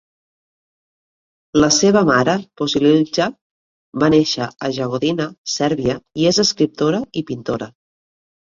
La seva mare, Bosiljka, va néixer a Jagodina, Sèrbia, i és escriptora i pintora.